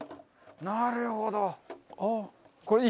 なるほど。